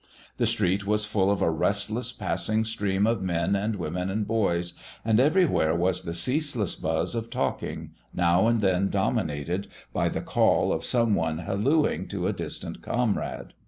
The street was full of a restless, passing stream of men and women and boys, and everywhere was the ceaseless buzz of talking, now and then dominated by the call of some one hallooing to a distant comrade.